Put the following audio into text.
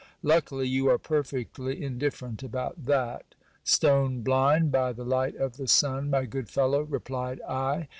Luckily, you are perfectly indifferent about that. Stone blind, by the light of the sun, my good fellow ! replied I.